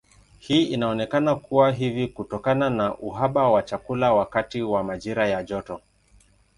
Hii inaonekana kuwa hivi kutokana na uhaba wa chakula wakati wa majira ya joto.